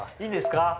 いいですか？